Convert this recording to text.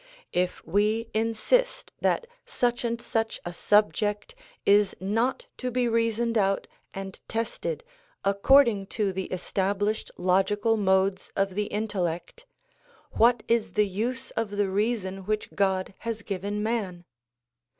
If we insist that such and such a subject is not to be reasoned out and tested according to the established logical modes of the intellect, what is the use of the reason which God has given man